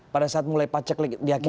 pada saat mulai paceklik di akhir tahun itu